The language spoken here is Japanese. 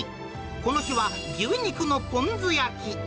この日は牛肉のポン酢焼き。